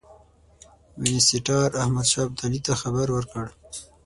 وینسیټار احمدشاه ابدالي ته خبر ورکړ.